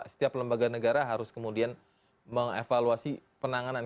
setiap lembaga negara harus kemudian mengevaluasi penanganan